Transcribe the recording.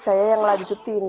saya yang lanjutin